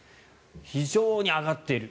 非常に上がっている。